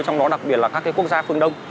trong đó đặc biệt là các quốc gia phương đông